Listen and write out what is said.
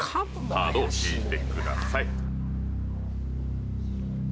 カードを引いてください